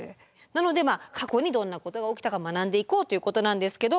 なので過去にどんなことが起きたか学んでいこうということなんですけど。